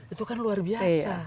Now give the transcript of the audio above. itu kan luar biasa